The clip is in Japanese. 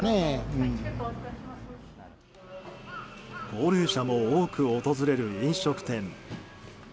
高齢者も多く訪れる飲食店。